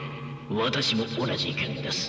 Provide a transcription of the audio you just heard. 私も同じ意見です。